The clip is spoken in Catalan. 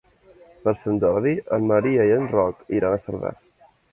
Per Sant Jordi en Maria i en Roc iran a Cerdà.